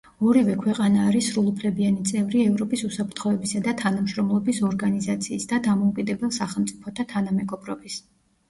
ორივე ქვეყანა არის სრულუფლებიანი წევრი ევროპის უსაფრთხოებისა და თანამშრომლობის ორგანიზაციის და დამოუკიდებელ სახელმწიფოთა თანამეგობრობის.